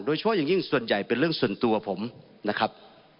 เฉพาะอย่างยิ่งส่วนใหญ่เป็นเรื่องส่วนตัวผมนะครับ